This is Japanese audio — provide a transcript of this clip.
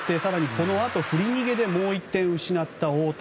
このあと振り逃げでもう１点失った大谷。